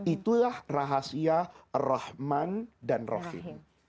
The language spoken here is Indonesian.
itulah rahasia rahman dan rahim